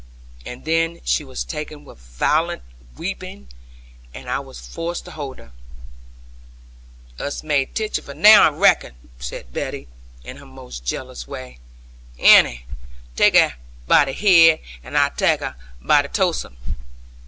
And then she was taken with violent weeping, and I was forced to hold her. 'Us may tich of her now, I rackon,' said Betty in her most jealous way; 'Annie, tak her by the head, and I'll tak her by the toesen.